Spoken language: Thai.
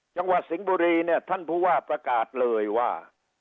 จังหวัดสิงห์บุรีเนี่ยท่านผู้ว่าประกาศเลยว่า